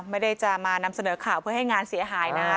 ไม่ได้จะมานำเสนอข่าวเพื่อให้งานเสียหายนะคะ